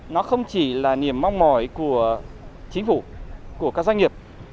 nó không chỉ là niềm mong mỏi của chính phủ của các doanh nghiệp